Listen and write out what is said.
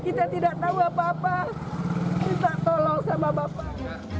kita tidak tahu apa apa minta tolong sama bapak